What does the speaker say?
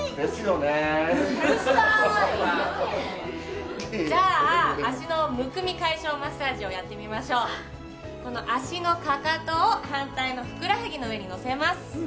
うるさいじゃあ足のむくみ解消マッサージをやってみましょうこの足のかかとを反対のふくらはぎの上に乗せます